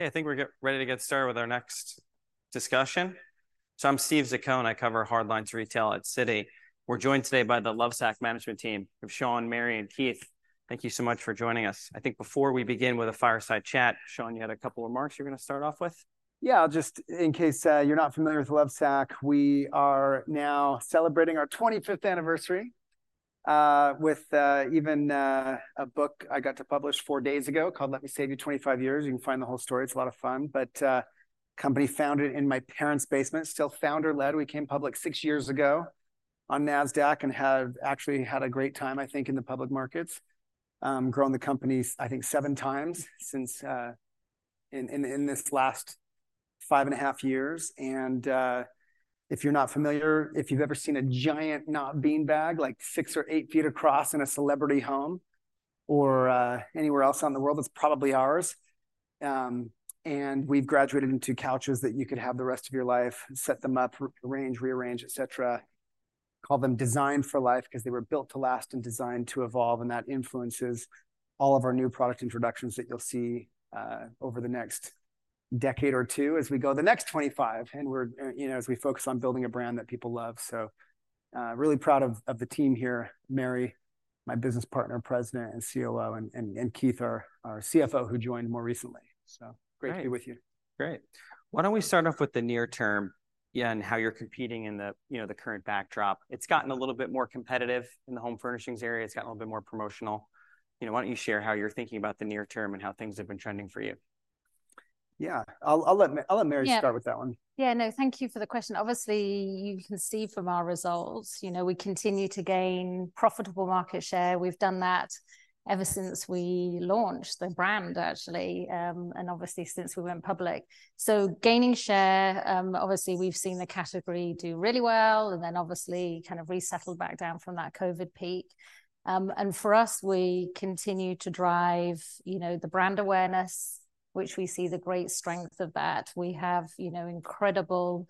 I think we're ready to get started with our next discussion. So I'm Steve Zaccone, I cover hard lines retail at Citi. We're joined today by the Lovesac management team of Shawn, Mary, and Keith. Thank you so much for joining us. I think before we begin with a fireside chat, Shawn, you had a couple of remarks you're gonna start off with? In case you're not familiar with Lovesac, we are now celebrating our 25th anniversary with even a book I got to publish four days ago called Let Me Save You 25 Years. You can find the whole story. It's a lot of fun but company founded in my parents' basement, still founder-led. We came public six years ago on Nasdaq, and have actually had a great time, I think, in the public markets. Grown the company, I think, seven times since in this last five and a half years. If you're not familiar, if you've ever seen a giant not bean bag, like six or eight feet across in a celebrity home or anywhere else around the world, it's probably ours. And we've graduated into couches that you could have the rest of your life, set them up, arrange, rearrange, et cetera. Call them Designed for Life 'cause they were built to last and designed to evolve, and that influences all of our new product introductions that you'll see over the next decade or two as we go the next 25, and we're, you know, as we focus on building a brand that people love. So, really proud of the team here. Mary, my business partner, President and COO, and Keith, our CFO, who joined more recently. So- Great. Great to be with you. Great. Why don't we start off with the near term, yeah, and how you're competing in the, you know, the current backdrop? It's gotten a little bit more competitive in the home furnishings area. It's gotten a little bit more promotional. You know, why don't you share how you're thinking about the near term and how things have been trending for you? Yeah, I'll let Mary- Yeah... start with that one. Yeah, no, thank you for the question. Obviously, you can see from our results, you know, we continue to gain profitable market share. We've done that ever since we launched the brand, actually, and obviously since we went public. So gaining share, obviously, we've seen the category do really well, and then obviously kind of resettle back down from that COVID peak. And for us, we continue to drive, you know, the brand awareness, which we see the great strength of that. We have, you know, incredible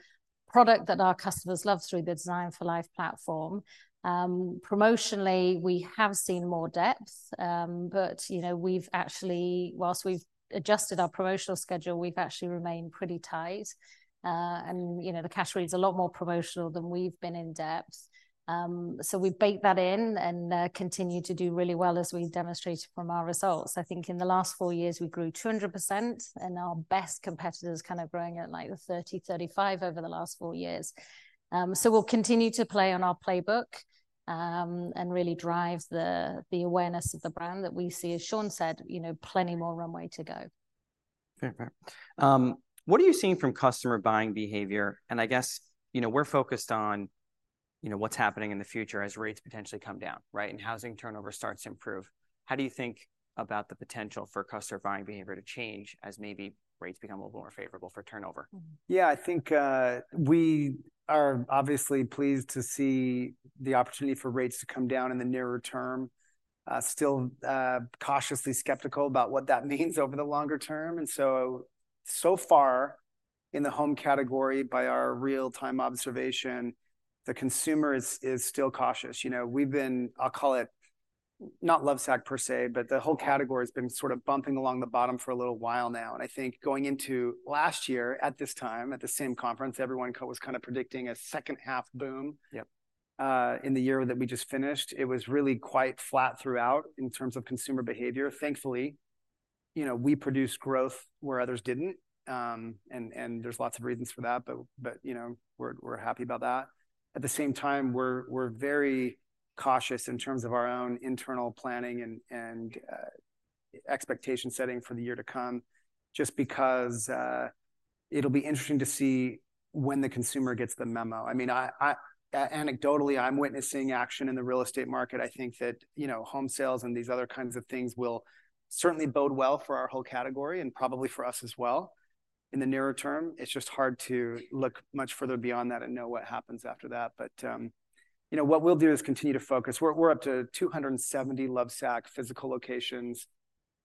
product that our customers love through the Designed for Life platform. Promotionally, we have seen more depth, but, you know, we've actually, while we've adjusted our promotional schedule, we've actually remained pretty tight. And, you know, the category is a lot more promotional than we've been in depth. So we bake that in and continue to do really well, as we've demonstrated from our results. I think in the last four years, we grew 200%, and our best competitors kind of growing at, like, 30%-35% over the last four years. So we'll continue to play on our playbook, and really drive the, the awareness of the brand that we see. As Shawn said, you know, plenty more runway to go. Fair play. What are you seeing from customer buying behavior? And I guess, you know, we're focused on, you know, what's happening in the future as rates potentially come down, right, and housing turnover starts to improve. How do you think about the potential for customer buying behavior to change as maybe rates become a little more favorable for turnover? Mm. Yeah, I think we are obviously pleased to see the opportunity for rates to come down in the nearer term. Still, cautiously skeptical about what that means over the longer term. And so, so far in the home category, by our real-time observation, the consumer is still cautious. You know, we've been... I'll call it, not Lovesac per se, but the whole category has been sort of bumping along the bottom for a little while now. And I think going into last year at this time, at the same conference, everyone was kind of predicting a second half boom- Yep... in the year that we just finished. It was really quite flat throughout in terms of consumer behavior. Thankfully, you know, we produced growth where others didn't. There's lots of reasons for that, but you know, we're happy about that. At the same time, we're very cautious in terms of our own internal planning and expectation setting for the year to come, just because it'll be interesting to see when the consumer gets the memo. I mean, anecdotally, I'm witnessing action in the real estate market. I think that, you know, home sales and these other kinds of things will certainly bode well for our whole category, and probably for us as well in the nearer term. It's just hard to look much further beyond that and know what happens after that. But, you know, what we'll do is continue to focus. We're, we're up to 270 Lovesac physical locations.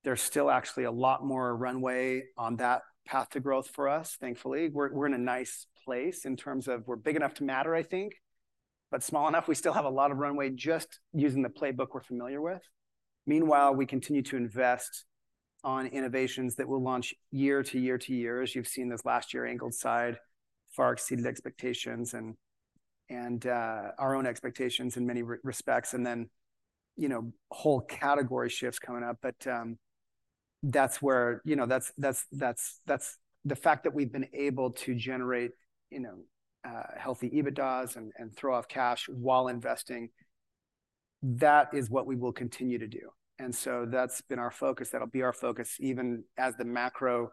There's still actually a lot more runway on that path to growth for us, thankfully. We're, we're in a nice place in terms of we're big enough to matter, I think, but small enough, we still have a lot of runway just using the playbook we're familiar with. Meanwhile, we continue to invest on innovations that will launch year to year to year. As you've seen this last year, Angled Side far exceeded expectations and our own expectations in many respects. And then, you know, whole category shifts coming up. But, that's where... You know, that's the fact that we've been able to generate, you know, healthy EBITDAs and throw off cash while investing, that is what we will continue to do. And so that's been our focus. That'll be our focus even as the macro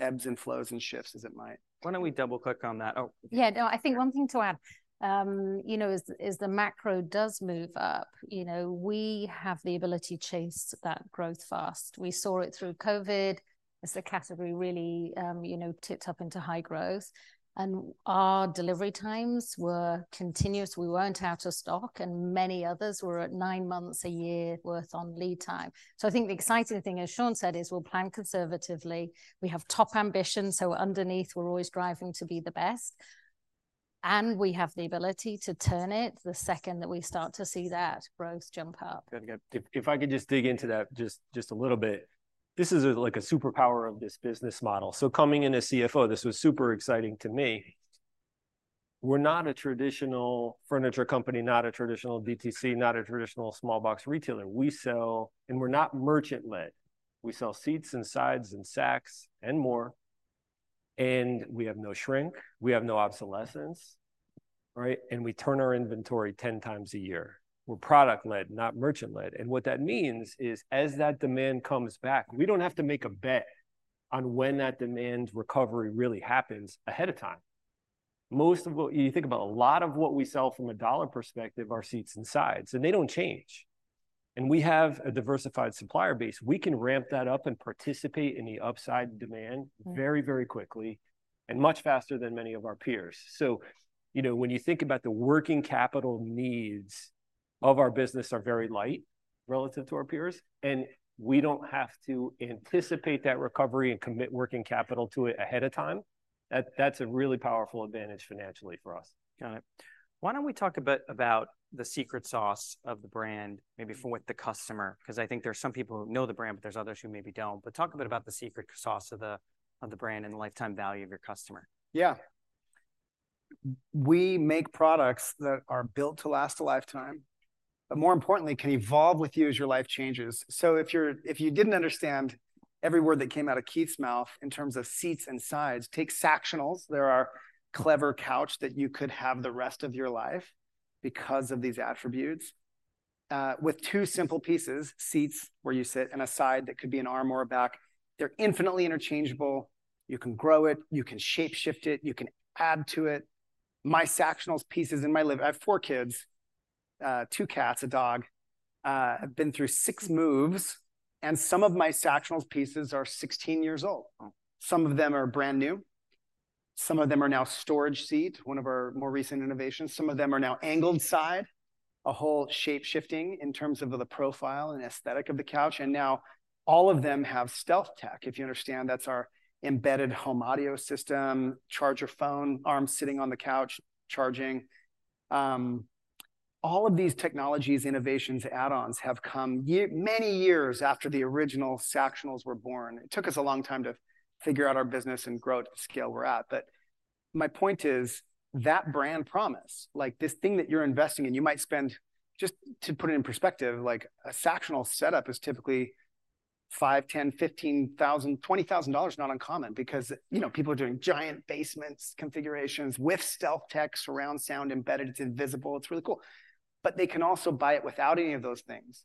ebbs and flows and shifts as it might. Why don't we double-click on that? Oh- Yeah, no, I think one thing to add, you know, as, as the macro does move up, you know, we have the ability to chase that growth fast. We saw it through COVID as the category really, you know, tipped up into high growth, and our delivery times were continuous. We weren't out of stock, and many others were at 9 months, a year worth on lead time. So I think the exciting thing, as Shawn said, is we'll plan conservatively. We have top ambition, so underneath, we're always driving to be the best. And we have the ability to turn it the second that we start to see that growth jump up. Got it, got it. If I could just dig into that just a little bit. This is, like, a superpower of this business model. So coming in as CFO, this was super exciting to me. We're not a traditional furniture company, not a traditional DTC, not a traditional small box retailer. And we're not merchant-led. We sell seats, and sides, and, and more, and we have no shrink, we have no obsolescence, right? And we turn our inventory 10 times a year. We're product-led, not merchant-led, and what that means is, as that demand comes back, we don't have to make a bet on when that demand recovery really happens ahead of time. Most of what you think about, a lot of what we sell from a dollar perspective, are seats and sides, and they don't change, and we have a diversified supplier base. We can ramp that up and participate in the upside demand- Mm... very, very quickly, and much faster than many of our peers. So, you know, when you think about the working capital needs of our business are very light relative to our peers, and we don't have to anticipate that recovery and commit working capital to it ahead of time. That, that's a really powerful advantage financially for us. Got it. Why don't we talk a bit about the secret sauce of the brand, maybe for with the customer? 'Cause I think there are some people who know the brand, but there's others who maybe don't. But talk a bit about the secret sauce of the, of the brand and the lifetime value of your customer. Yeah. We make products that are built to last a lifetime, but more importantly, can evolve with you as your life changes. So if you're, if you didn't understand every word that came out of Keith's mouth in terms of seats and sides, take Sactionals. They're our clever couch that you could have the rest of your life because of these attributes. With two simple pieces, seats where you sit, and a side that could be an arm or a back, they're infinitely interchangeable. You can grow it. You can shape-shift it. You can add to it. My Sactionals pieces in my living room—I have four kids, two cats, a dog, I've been through six moves, and some of my Sactionals pieces are 16 years old. Wow! Some of them are brand new. Some of them are now Storage Seat, one of our more recent innovations. Some of them are now Angled Side, a whole shape-shifting in terms of the profile and aesthetic of the couch. And now all of them have StealthTech. If you understand, that's our embedded home audio system, charge your phone, arm sitting on the couch charging. All of these technologies, innovations, add-ons have come many years after the original Sactionals were born. It took us a long time to figure out our business and grow to the scale we're at. But my point is, that brand promise, like, this thing that you're investing in, you might spend... Just to put it in perspective, like, a Sactionals setup is typically $5,000, $10,000, $15,000, $20,000 is not uncommon because, you know, people are doing giant basements configurations with StealthTech surround sound embedded. It's invisible. It's really cool. But they can also buy it without any of those things,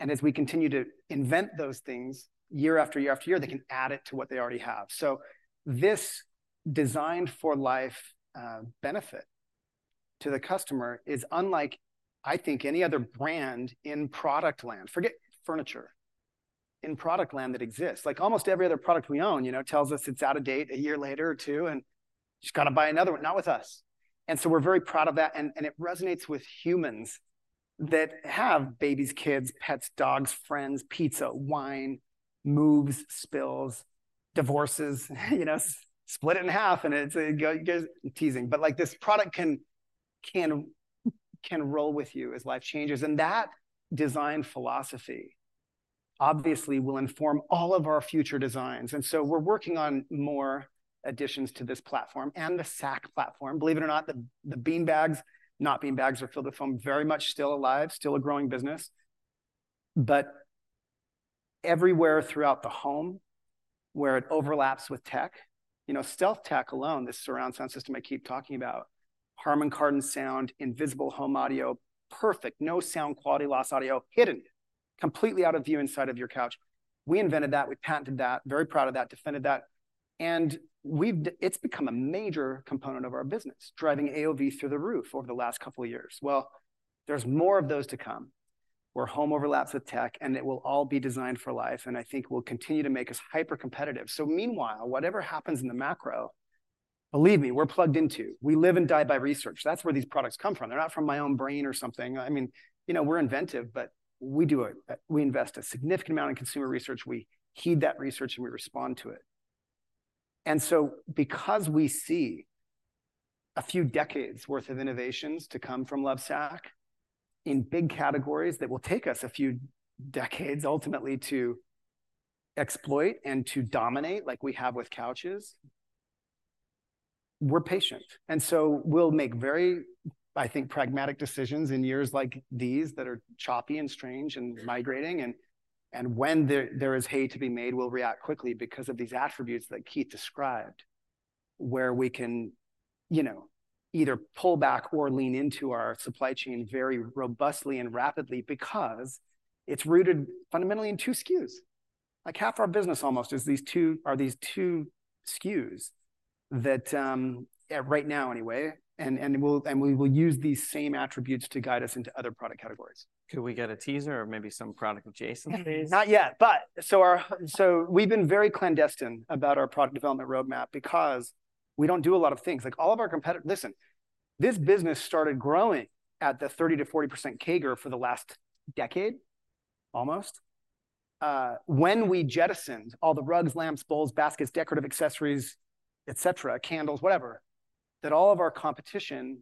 and as we continue to invent those things year after year after year, they can add it to what they already have. So this Designed for Life benefit to the customer is unlike, I think, any other brand in product land. Forget furniture, in product land that exists. Like, almost every other product we own, you know, tells us it's out of date a year later or two, and just gotta buy another one. Not with us, and so we're very proud of that, and it resonates with humans that have babies, kids, pets, dogs, friends, pizza, wine, moves, spills, divorces, you know, split it in half, and it goes teasing. But, like, this product can roll with you as life changes, and that design philosophy obviously will inform all of our future designs, and so we're working on more additions to this platform and the Sac platform. Believe it or not, the beanbags, not beanbags, are filled with foam, very much still alive, still a growing business. But everywhere throughout the home where it overlaps with tech, you know, StealthTech alone, this surround sound system I keep talking about, Harman Kardon sound, invisible home audio, perfect, no sound quality loss audio, hidden, completely out of view inside of your couch. We invented that. We patented that. Very proud of that, defended that, and we've, it's become a major component of our business, driving AOV through the roof over the last couple of years. Well, there's more of those to come, where home overlaps with tech, and it will all be designed for life, and I think will continue to make us hypercompetitive. So meanwhile, whatever happens in the macro, believe me, we're plugged into. We live and die by research. That's where these products come from. They're not from my own brain or something. I mean, you know, we're inventive, but we invest a significant amount in consumer research. We heed that research, and we respond to it. And so because we see a few decades' worth of innovations to come from Lovesac in big categories, that will take us a few decades, ultimately, to exploit and to dominate like we have with couches, we're patient. And so we'll make very, I think, pragmatic decisions in years like these that are choppy and strange and migrating, and when there is hay to be made, we'll react quickly because of these attributes that Keith described, where we can, you know, either pull back or lean into our supply chain very robustly and rapidly because it's rooted fundamentally in two SKUs. Like, half our business almost is these two SKUs that, right now anyway, and we will use these same attributes to guide us into other product categories. Could we get a teaser or maybe some product adjacent, please? Not yet, but so we've been very clandestine about our product development roadmap because we don't do a lot of things. Like, all of our competition, listen, this business started growing at the 30%-40% CAGR for the last decade, almost, when we jettisoned all the rugs, lamps, bowls, baskets, decorative accessories, et cetera, candles, whatever, that all of our competition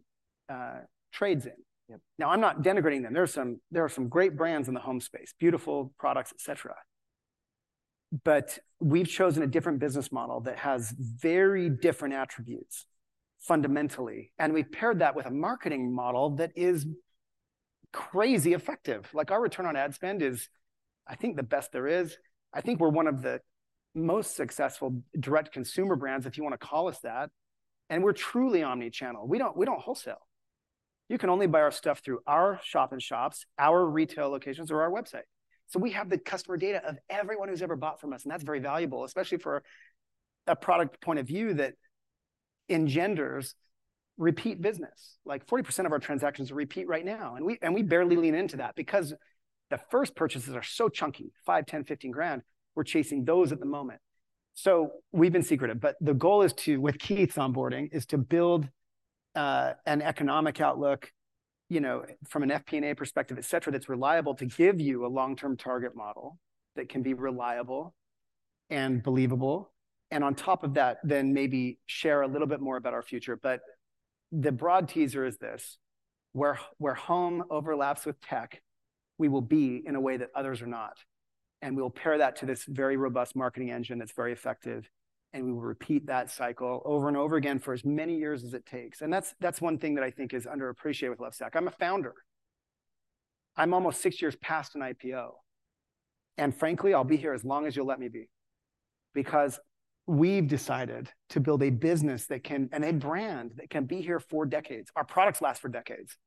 trades in. Yep. Now, I'm not denigrating them. There are some, there are some great brands in the home space, beautiful products, et cetera. But we've chosen a different business model that has very different attributes, fundamentally, and we've paired that with a marketing model that is crazy effective. Like, our Return on Ad Spend is, I think, the best there is. I think we're one of the most successful direct-to-consumer brands, if you wanna call us that, and we're truly omni-channel. We don't, we don't wholesale. You can only buy our stuff through our shop-in-shops, our retail locations, or our website. So we have the customer data of everyone who's ever bought from us, and that's very valuable, especially for a product point of view that engenders repeat business. Like, 40% of our transactions are repeat right now, and we, and we barely lean into that, because the first purchases are so chunky, $5,000, $10,000, $15,000. We're chasing those at the moment. So we've been secretive, but the goal is to, with Keith's onboarding, is to build, an economic outlook, you know, from an FP&A perspective, et cetera, that's reliable, to give you a long-term target model that can be reliable and believable. And on top of that, then maybe share a little bit more about our future. But the broad teaser is this: where, where home overlaps with tech, we will be in a way that others are not, and we'll pair that to this very robust marketing engine that's very effective, and we will repeat that cycle over and over again for as many years as it takes. And that's, that's one thing that I think is underappreciated with Lovesac. I'm a founder. I'm almost six years past an IPO, and frankly, I'll be here as long as you'll let me be, because we've decided to build a business that can... and a brand that can be here for decades. Our products last for decades,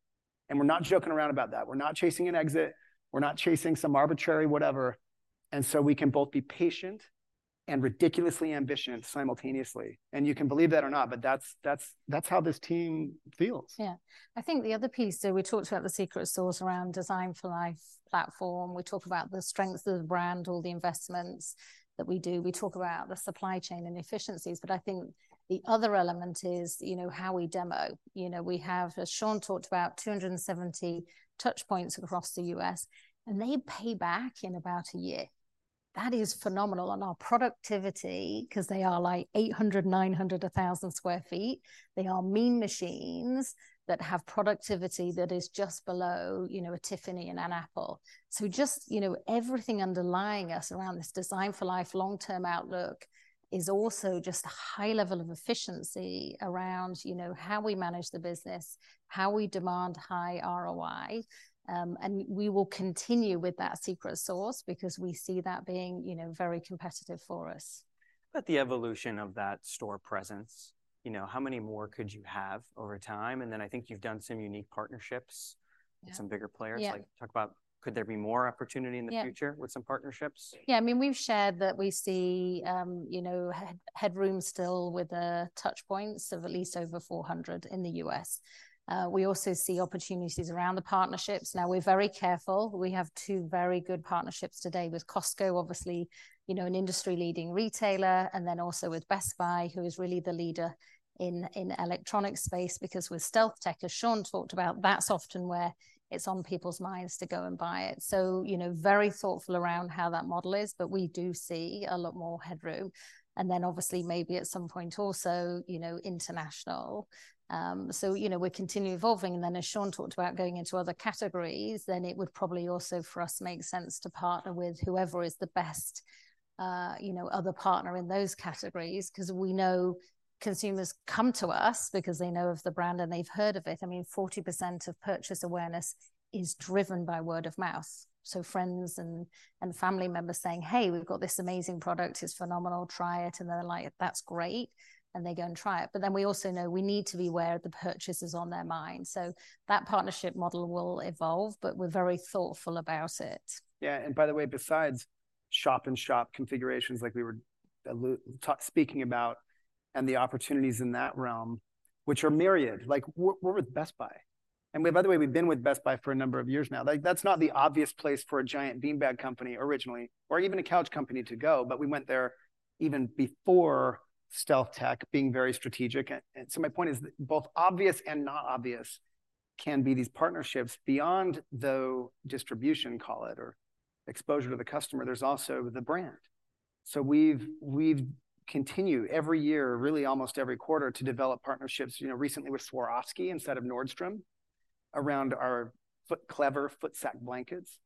and we're not joking around about that. We're not chasing an exit. We're not chasing some arbitrary whatever, and so we can both be patient and ridiculously ambitious simultaneously. And you can believe that or not, but that's, that's, that's how this team feels. Yeah. I think the other piece, so we talked about the secret sauce around Designed for Life platform. We talk about the strengths of the brand, all the investments that we do. We talk about the supply chain and efficiencies, but I think the other element is, you know, how we demo. You know, we have, as Shawn talked about, 270 touch points across the U.S., and they pay back in about a year. That is phenomenal. And our productivity, 'cause they are like 800, 900, 1,000 sq ft, they are mean machines that have productivity that is just below, you know, a Tiffany and an Apple. So just, you know, everything underlying us around this Designed for Life long-term outlook is also just a high level of efficiency around, you know, how we manage the business, how we demand high ROI. We will continue with that secret sauce because we see that being, you know, very competitive for us. But the evolution of that store presence, you know, how many more could you have over time? And then I think you've done some unique partnerships- Yeah... with some bigger players. Yeah. Like, talk about could there be more opportunity in the future- Yeah... with some partnerships? Yeah, I mean, we've shared that we see, you know, headroom still with the touch points of at least over 400 in the U.S. We also see opportunities around the partnerships. Now, we're very careful. We have two very good partnerships today with Costco, obviously, you know, an industry-leading retailer, and then also with Best Buy, who is really the leader in the electronic space. Because with StealthTech, as Shawn talked about, that's often where it's on people's minds to go and buy it. So, you know, very thoughtful around how that model is, but we do see a lot more headroom, and then obviously, maybe at some point also, you know, international. So, you know, we're continually evolving, and then, as Shawn talked about going into other categories, then it would probably also, for us, make sense to partner with whoever is the best, you know, other partner in those categories. 'Cause we know consumers come to us because they know of the brand, and they've heard of it. I mean, 40% of purchase awareness is driven by word of mouth, so friends and family members saying, "Hey, we've got this amazing product. It's phenomenal. Try it." And they're like, "That's great," and they go and try it. But then we also know we need to be where the purchase is on their mind. So that partnership model will evolve, byt we're very thoughtful about it. Yeah, and by the way, besides shop-in-shop configurations, like we were speaking about, and the opportunities in that realm, which are myriad. Like, we're with Best Buy. And by the way, we've been with Best Buy for a number of years now. Like, that's not the obvious place for a giant beanbag company originally, or even a couch company to go, but we went there even before StealthTech, being very strategic. And so my point is that both obvious and not obvious can be these partnerships. Beyond, though, distribution, call it, or exposure to the customer, there's also the brand. So we've continued every year, really almost every quarter, to develop partnerships, you know, recently with Swarovski instead of Nordstrom, around our Footsac blankets.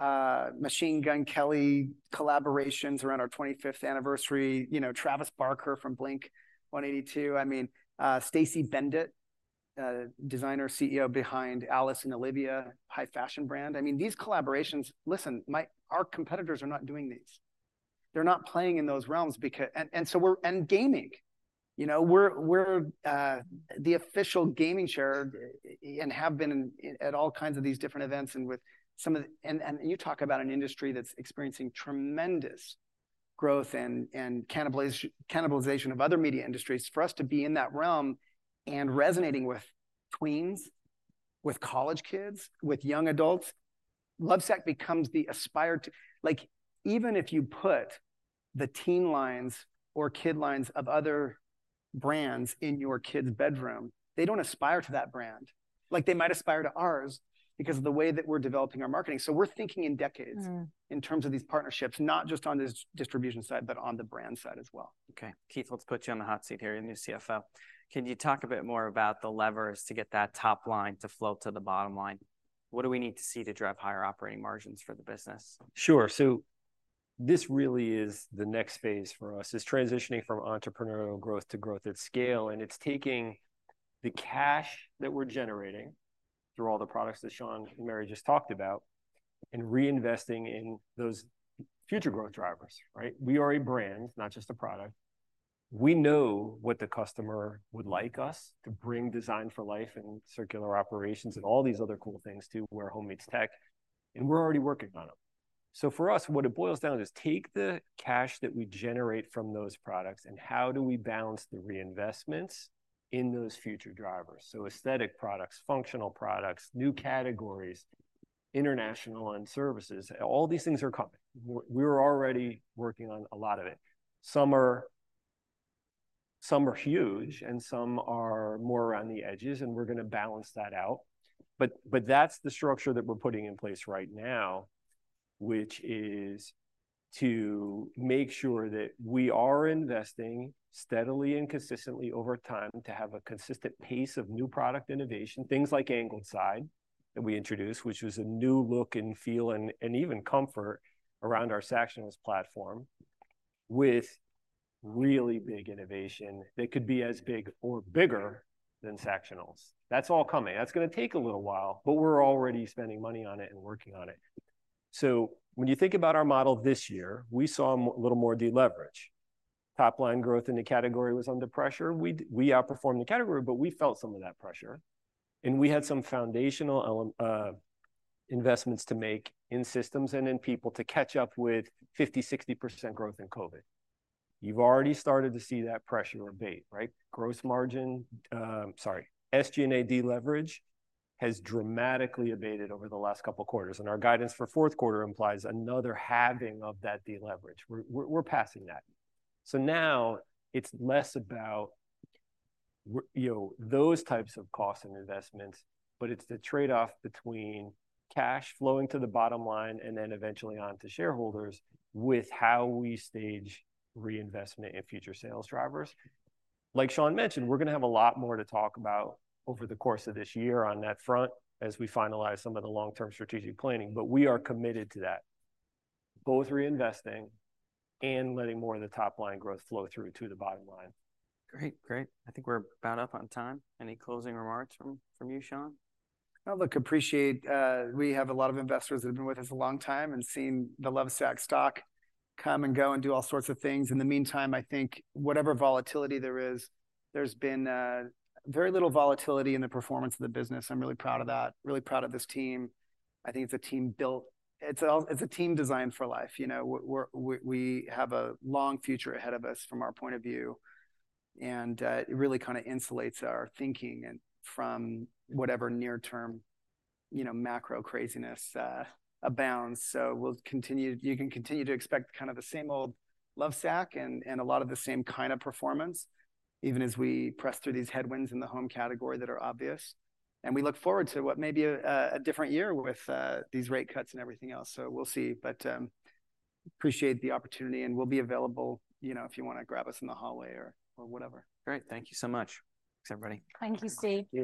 Machine Gun Kelly collaborations around our 25th anniversary. You know, Travis Barker from Blink-182. I mean, Stacey Bendet, designer, CEO behind Alice + Olivia high fashion brand. I mean, these collaborations. Listen, our competitors are not doing this. They're not playing in those realms because... And so we're and gaming, you know? We're the official gaming chair and have been in at all kinds of these different events and with some of the... And you talk about an industry that's experiencing tremendous growth and cannibalization of other media industries. For us to be in that realm and resonating with tweens, with college kids, with young adults, Lovesac becomes the aspired to. Like, even if you put the teen lines or kid lines of other brands in your kid's bedroom, they don't aspire to that brand. Like, they might aspire to ours because of the way that we're developing our marketing. So we're thinking in decades- Mm. In terms of these partnerships, not just on the distribution side, but on the brand side as well. Okay. Keith, let's put you on the hot seat here, the new CFO. Can you talk a bit more about the levers to get that top line to flow to the bottom line? What do we need to see to drive higher operating margins for the business? Sure. So this really is the next phase for us, transitioning from entrepreneurial growth to growth at scale, and it's taking the cash that we're generating through all the products that Shawn and Mary just talked about, and reinvesting in those future growth drivers, right? We are a brand, not just a product. We know what the customer would like us to bring Designed for Life and circular operations and all these other cool things to where home meets tech, and we're already working on them. So for us, what it boils down to is, take the cash that we generate from those products, and how do we balance the reinvestments in those future drivers? So aesthetic products, functional products, new categories, international and services, all these things are coming. We're already working on a lot of it. Some are... Some are huge, and some are more around the edges, and we're gonna balance that out. But, but that's the structure that we're putting in place right now, which is to make sure that we are investing steadily and consistently over time to have a consistent pace of new product innovation. Things like Angled Side, that we introduced, which was a new look and feel and, and even comfort around our Sactionals platform with really big innovation that could be as big or bigger than Sactionals. That's all coming. That's gonna take a little while, but we're already spending money on it and working on it. So when you think about our model this year, we saw a little more deleverage. Top line growth in the category was under pressure. We outperformed the category, but we felt some of that pressure, and we had some foundational investments to make in systems and in people to catch up with 50%-60% growth in COVID. You've already started to see that pressure abate, right? Gross margin, sorry, SG&A deleverage has dramatically abated over the last couple of quarters, and our guidance for fourth quarter implies another halving of that deleverage. We're passing that. So now it's less about you know, those types of costs and investments, but it's the trade-off between cash flowing to the bottom line and then eventually on to shareholders, with how we stage reinvestment in future sales drivers. Like Shawn mentioned, we're gonna have a lot more to talk about over the course of this year on that front, as we finalize some of the long-term strategic planning, but we are committed to that, both reinvesting and letting more of the top-line growth flow through to the bottom line. Great, great. I think we're about up on time. Any closing remarks from, from you, Shawn? Look, appreciate, we have a lot of investors that have been with us a long time and seen the Lovesac stock come and go and do all sorts of things. In the meantime, I think whatever volatility there is, there's been very little volatility in the performance of the business. I'm really proud of that, really proud of this team. I think it's a team built. It's a team Designed for LLfe, you know? We're, we have a long future ahead of us from our point of view, and it really kinda insulates our thinking and from whatever near-term, you know, macro craziness abounds. So we'll continue. You can continue to expect kind of the same old Lovesac and a lot of the same kind of performance, even as we press through these headwinds in the home category that are obvious. We look forward to what may be a different year with these rate cuts and everything else. So we'll see. But appreciate the opportunity, and we'll be available, you know, if you wanna grab us in the hallway or whatever. Great. Thank you so much. Thanks, everybody. Thank you, Steve. Thank you.